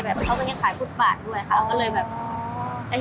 แบบเย่นะเราก็เย่นะถ้าเป็นอย่างนี้แย่มาก